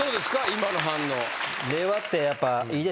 今の反応。